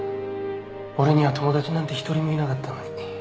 俺には友達なんて一人もいなかったのに。